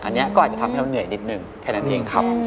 อันนี้ก็อาจจะทำให้เราเหนื่อยนิดนึงแค่นั้นเองครับ